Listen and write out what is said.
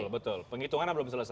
betul penghitungannya belum selesai